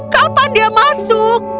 kapan dia masuk